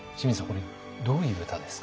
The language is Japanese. これどういう歌ですか？